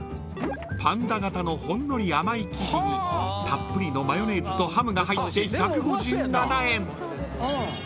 ［パンダ形のほんのり甘い生地にたっぷりのマヨネーズとハムが入って１５７円］